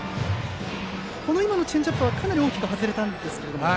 今のチェンジアップはかなり大きく外れましたね。